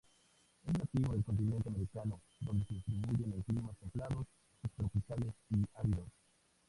Es nativo del continente americano, donde se distribuyen en climas templados, subtropicales y áridos.